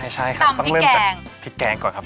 ใช่ครับต้องเริ่มจากพริกแกงก่อนครับ